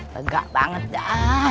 pegang banget dah